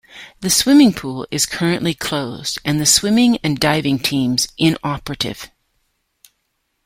The swimming pool is currently closed, and the swimming and diving teams inoperative.